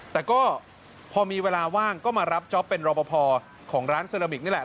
แต่ก็พอมีเวลาว่างก็มารับจ๊อปเป็นรอปภของร้านเซราบิกนี่แหละ